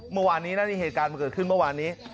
เมื่อวานนี้นะนี่เหตุการณ์มันเกิดขึ้นเมื่อวานนี้